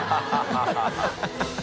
ハハハ